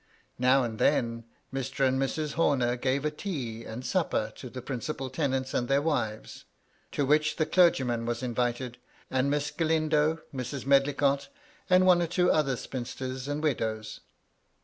Now and then, Mr. and Mrs. Horner gave a tea and supper to the principal tenants and their wives, to which the clergyman was invited, and Miss Galindo, Mrs. Medlicott, and one or two other spinsters and widows.